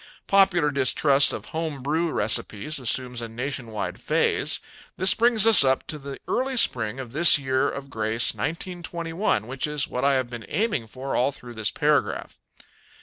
Popular distrust of home brew recipes assumes a nationwide phase. This brings us up to the early spring of this year of grace, 1921, which is what I have been aiming for all through this paragraph.